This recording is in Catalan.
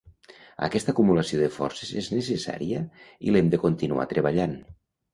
Aquesta acumulació de forces és necessària i l’hem de continuar treballant.